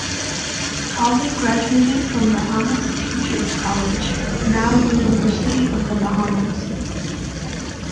Collie graduated from Bahamas Teachers College (now University of the Bahamas).